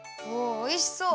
おいしそう。